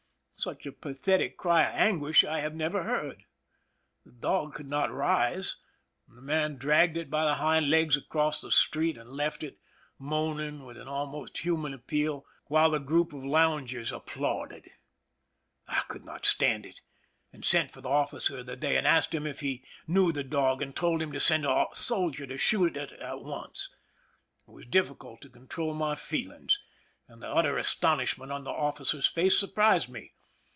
Such a pathetic cry of anguish I have never heard. The dog could not rise, and the man dragged it by the hind legs across the street, and left it, moaning with an almost human appeal, while the group of loungers applauded. I could not stand it, and sent for the officer of the day, and asked him if he knew the dog, and told him to send a soldier to shoot it at once. It was difficult to control my feelings, and the utter astonishment on the officer's face surprised me.